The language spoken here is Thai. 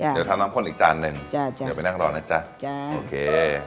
เดี๋ยวถ้าน้ำข้นอีกจานหนึ่งเดี๋ยวไปนั่งรอนะจ๊ะโอเค